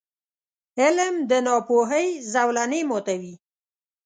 • علم، د ناپوهۍ زولنې ماتوي.